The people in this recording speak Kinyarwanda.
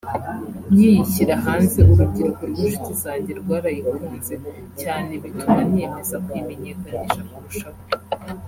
nkiyishyira hanze urubyiruko rw’inshuti zanjye rwarayikunze cyane bituma niyemeza kuyimenyekanisha kurushaho